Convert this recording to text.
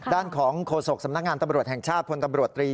ด้านของโฆษกสำนักงานตำรวจแห่งชาติพลตำรวจตรี